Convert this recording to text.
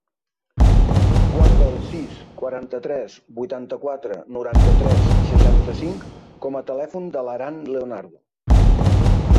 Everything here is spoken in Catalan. Guarda el sis, quaranta-tres, vuitanta-quatre, noranta-tres, seixanta-cinc com a telèfon de l'Aran Leonardo.